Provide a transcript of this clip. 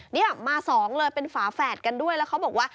เนี่ยมาสองเลยเป็นฝาแฝดกันด้วยแล้วเขาบอกว่า